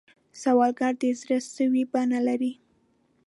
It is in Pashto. سوالګر د زړه سوې بڼه لري